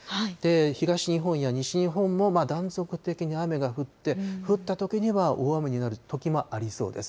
東日本や西日本も断続的な雨が降って、降ったときには大雨になるときもありそうです。